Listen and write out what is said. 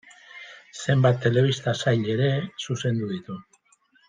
Zenbait telebista-sail ere zuzendu ditu.